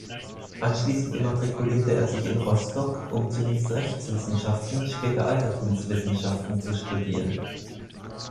Anschließend immatrikulierte er sich in Rostock, um zunächst Rechtswissenschaften, später Altertumswissenschaften zu studieren.